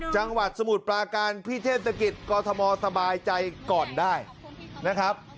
จังหวัดสมุทรปลาการพี่เทศกิจกรทมสบายใจก่อนได้นะครับ